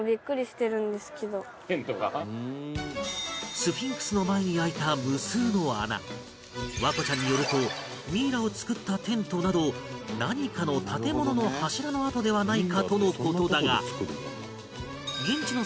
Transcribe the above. スフィンクスの前に開いた無数の穴環子ちゃんによるとミイラを作ったテントなど何かの建物の柱の跡ではないかとの事だが